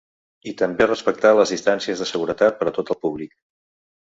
I també respectar les distàncies de seguretat per a tot el públic.